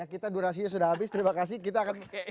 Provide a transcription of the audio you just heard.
kita durasinya sudah habis terima kasih kita akan